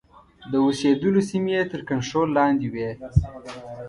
د اوسېدلو سیمې یې تر کنټرول لاندي وې.